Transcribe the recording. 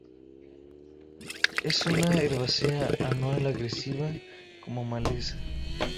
Es una herbácea anual, agresiva como maleza.